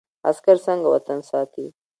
عسکر څنګه وطن ساتي؟